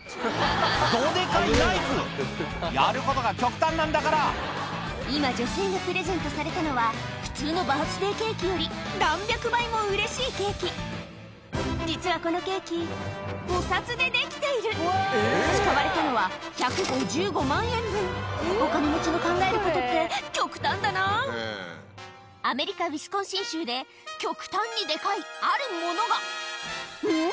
どデカいナイフ！やることが極端なんだから今女性がプレゼントされたのは普通のバースデーケーキより何百倍もうれしいケーキ実はこのケーキお札でできている使われたのはお金持ちの考えることって極端だなぁで極端にデカいあるものがうん？